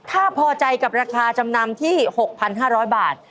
ถ้าพอใจกับราคาจำนำที่๖๕๐๐บาท